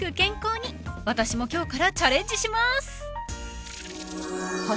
［私も今日からチャレンジします］